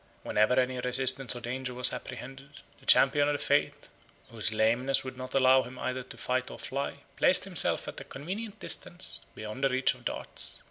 Whenever any resistance or danger was apprehended, the champion of the faith, whose lameness would not allow him either to fight or fly, placed himself at a convenient distance, beyond the reach of darts.